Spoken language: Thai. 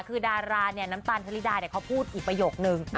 คือดาราเนี่ยน้ำตาลทะลิดาเขาพูดอีกประโยคนึง